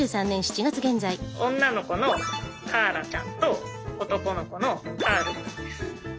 女の子のカーラちゃんと男の子のカール君です。